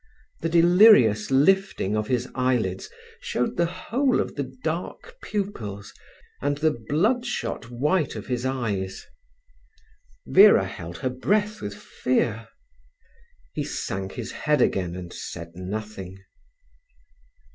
The delirious lifting of his eyelids showed the whole of the dark pupils and the bloodshot white of his eyes. Vera held her breath with fear. He sank his head again and said nothing.